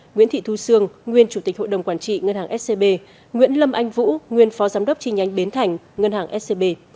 nguyễn thị thu sương nguyên chủ tịch hội đồng quản trị ngân hàng scb nguyễn lâm anh vũ nguyên phó giám đốc chi nhánh bến thành ngân hàng scb